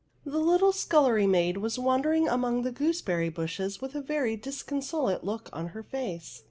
The little scullery maid was wandering among the gooseberry bushes with a very disconsolate look on her face.